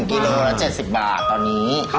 กี่เบอร์ละ๗๐บาทตอนนี้